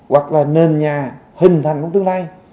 hoặc là nền nhà hình thành trong tương lai